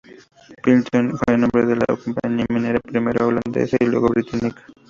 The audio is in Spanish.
Billiton fue el nombre de una compañía minera primero Holandesa y luego Británica.